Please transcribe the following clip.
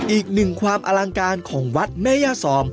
อีกหนึ่งความอลังการของวัดแม่ย่าซอม